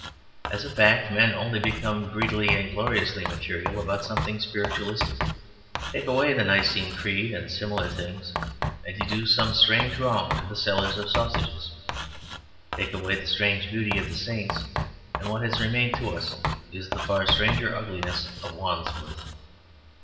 As a fact, men only become greedily and gloriously material about something spiritualistic. Take away the Nicene Creed and similar things, and you do some strange wrong to the sellers of sausages. Take away the strange beauty of the saints, and what has remained to us is the far stranger ugliness of Wandsworth.